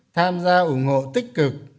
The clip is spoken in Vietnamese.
tham gia ủng hộ tích cực